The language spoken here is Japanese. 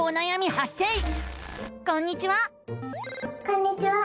こんにちは！